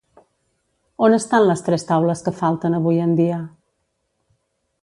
On estan les tres taules que falten avui en dia?